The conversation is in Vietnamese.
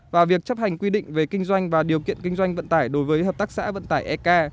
và việc chấp hành quy định về kinh doanh và điều kiện kinh doanh vận tải đối với hợp tác xã vận tải ek